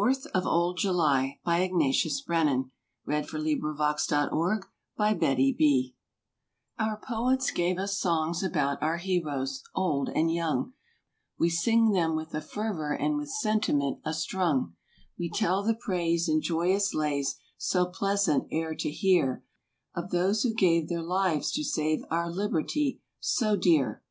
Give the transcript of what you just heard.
That day would have meant to him—VICTORY WON! THE FOURTH OF OLD JULY Our poets gave us songs about our heroes, old and young; We sing them with a fervor and with sentiment a strung; We tell the praise, in joyous lays, so pleasant e'er to hear, Of those who gave their lives to save our liberty, so dear.